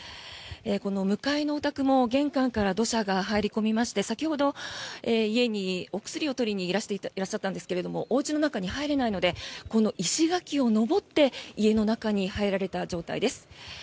この向かいのお宅も玄関から土砂が入り込みまして先ほど、家にお薬を取りにいらっしゃったんですけれどおうちの中に入れないのでこの石垣を上って家の中に入られた状態です。